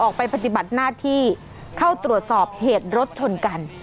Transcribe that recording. ปฏิบัติหน้าที่เข้าตรวจสอบเหตุรถชนกัน